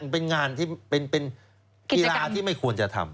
เป็นกิจกรรมที่ไม่ควรจะทำ